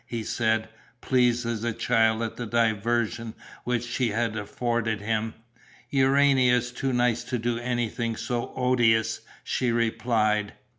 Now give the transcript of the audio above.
he said, pleased as a child at the diversion which she had afforded him. "Urania is too nice to do anything so odious," she replied.